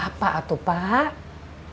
bapak juga baru mulai minggu depan ke ladang